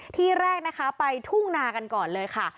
ที่แรกนะคะไปทุ่งนากันก่อนเลยค่ะ